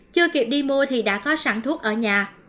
chưa kịp đi mua thì đã có sản thuốc ở nhà